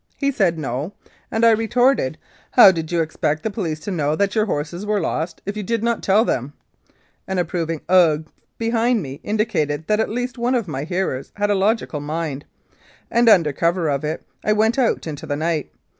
He said, "No," and I retorted, " How did you expect the police to know that your horses were lost if you did not tell them ?'' An approving " Ugh " behind me indicated that at least one of my hearers had a logical mind, and under cover of it I went out into the night.